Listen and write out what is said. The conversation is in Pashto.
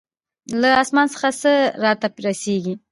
له آسمان څخه څه راته رسېږي.